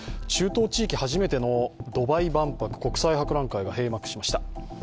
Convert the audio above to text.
中東地域初めてのドバイ万博、国際博覧会が閉幕しました。